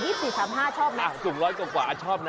ถ้าสูตร๓๔๒๔๓๕ชอบไหมอันที่๑๐๐กว่าชอบนะ